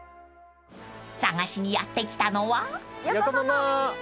［探しにやって来たのは］